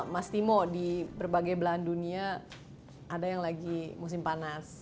mas timo di berbagai belahan dunia ada yang lagi musim panas